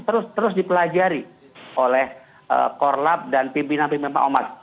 terus terus dipelajari oleh korlab dan pimpinan pimpinan pak ormas